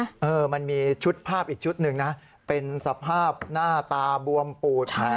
เออมันมีชุดภาพอีกชุดหนึ่งนะเป็นสภาพหน้าตาบวมปูดแผล